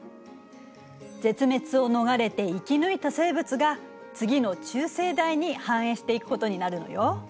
絶滅を逃れて生き抜いた生物が次の中生代に繁栄していくことになるのよ。